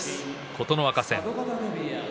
琴ノ若戦。